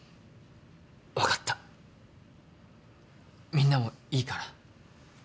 みんなもいいかな？